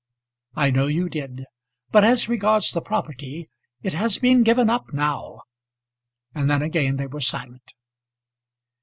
"I know you did. But as regards the property, it has been given up now." And then again they were silent.